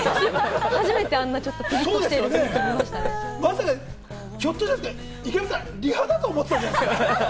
初めてプリっとしてるところひょっとしたら池上さん、リハだと思ってたんじゃないですかね？